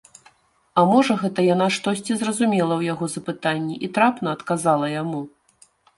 А можа гэта яна штосьці зразумела ў яго запытанні і трапна адказала яму.